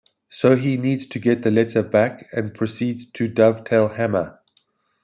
So he needs to get the letter back, and proceeds to Dovetail Hammer.